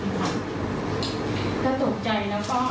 ก็นั่งฆาตคำว่า